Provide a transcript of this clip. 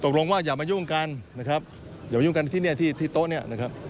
ตกลงว่าอย่ามายุ่งกันนะครับอย่ามายุ่งกันที่เนี่ยที่ที่โต๊ะเนี่ยนะครับ